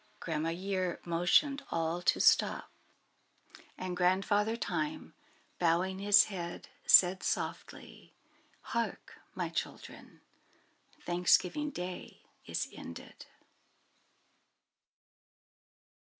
Grandma Year motioned all to stop, and Grandfather Time, bowing his head, said softly, "Hark! my children, Thanksgiving Day is ended."